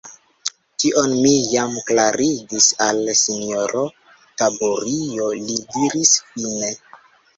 Tion mi jam klarigis al sinjoro Taburio, li diris fine.